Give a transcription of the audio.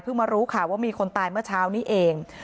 เพิ่งมารู้ค่ะว่ามีคนตายเมื่อเช้านี้เอง